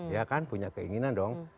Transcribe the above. ya kan punya keinginan dong